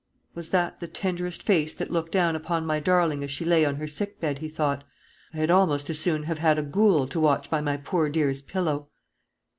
"Was that the tenderest face that looked down upon my darling as she lay on her sick bed?" he thought. "I had almost as soon have had a ghoul to watch by my poor dear's pillow."